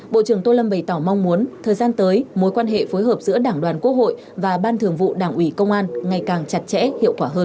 bộ trưởng tô lâm bày tỏ mong muốn thời gian tới mối quan hệ phối hợp giữa đảng đoàn quốc hội và ban thường vụ đảng ủy công an ngày càng chặt chẽ hiệu quả hơn